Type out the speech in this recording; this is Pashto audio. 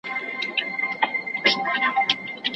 ټولنپوهنه د ژوند لارښود دی.